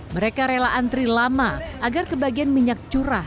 mereka rela antri lama agar kebagian minyak curah